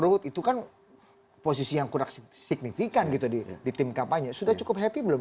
ruhut itu kan posisi yang kurang signifikan gitu di tim kampanye sudah cukup happy belum